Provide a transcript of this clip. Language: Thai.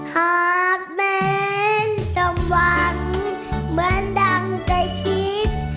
หากแมนจมหวังเหมือนดังใจคิด